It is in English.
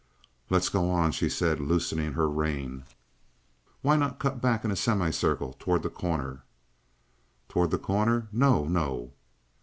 "Let's go on," she said, loosening her rein. "Why not cut back in a semicircle toward The Corner?" "Toward The Corner? No, no!"